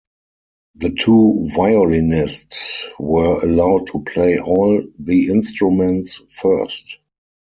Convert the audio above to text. The two violinists were allowed to play all the instruments first.